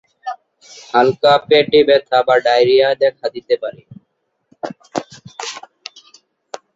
হালকা পেটে ব্যাথা বা ডায়রিয়া দেখা দিতে পারে।